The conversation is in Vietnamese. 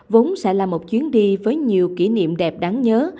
vốn sẽ là một chuyến đi với nhiều kỷ niệm đẹp đáng nhớ